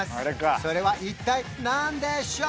それは一体何でしょう？